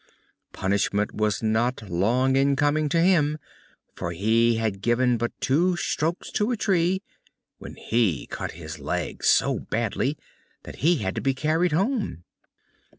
Punishment was not long in coming to him, for he had given but two strokes at a tree when he cut his leg so badly that he had to be carried home.